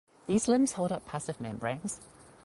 These limbs hold up passive membranes.